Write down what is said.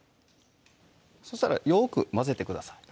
そしたらよく混ぜてください